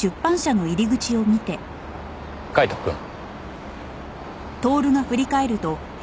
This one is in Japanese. カイトくん。